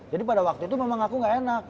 jadi pada waktu itu memang aku gak enak